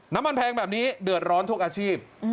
น้ำมันแพงแบบนี้เดือดร้อนทุกอาชีพ